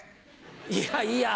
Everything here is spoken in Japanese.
いやいや。